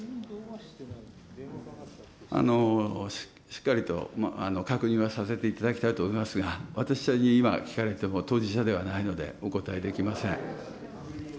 しっかりと確認はさせていただきたいと思いますが、私は今聞かれても当事者ではないので、お答えできません。